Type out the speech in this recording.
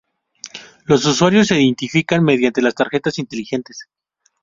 Los usuarios se identifican mediante las tarjetas inteligentes.